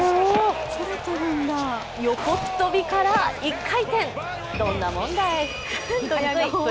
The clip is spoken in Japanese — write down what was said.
横っ飛びから１回転、どんなもんだい。